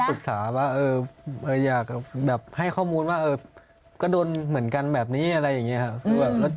ปรึกษาว่าอยากแบบให้ข้อมูลว่าก็โดนเหมือนกันแบบนี้อะไรอย่างนี้ครับ